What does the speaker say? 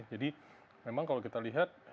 jadi memang kalau kita lihat